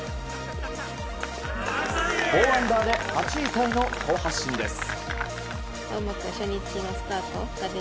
４アンダーで８位タイの好発進です。